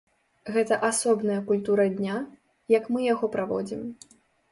Гэта асобная культура дня, як мы яго праводзім.